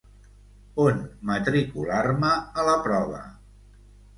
On matricular-me a la prova?